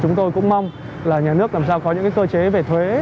chúng tôi cũng mong là nhà nước làm sao có những cơ chế về thuế